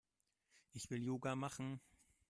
Ich will Yoga machen.